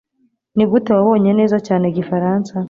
Nigute wabonye neza cyane igifaransa?